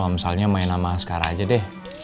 omsalnya main sama askara aja deh